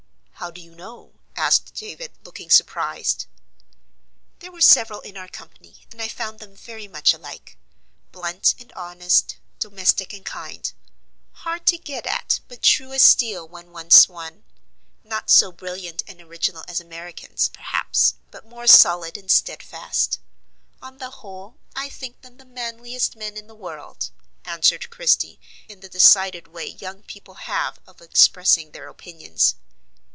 "How do you know?" asked David, looking surprised. "There were several in our company, and I found them very much alike. Blunt and honest, domestic and kind; hard to get at, but true as steel when once won; not so brilliant and original as Americans, perhaps, but more solid and steadfast. On the whole, I think them the manliest men in the world," answered Christie, in the decided way young people have of expressing their opinions.